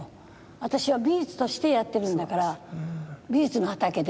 私は美術としてやってるんだから美術の畑で。